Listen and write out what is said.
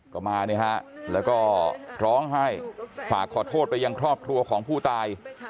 ก็มาเนี่ยฮะแล้วก็ร้องไห้ฝากขอโทษไปยังครอบครัวของผู้ตาย